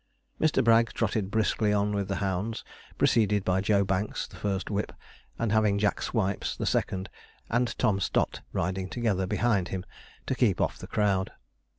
Mr. Bragg trotted briskly on with the hounds, preceded by Joe Banks the first whip, and having Jack Swipes the second, and Tom Stot, riding together behind him, to keep off the crowd.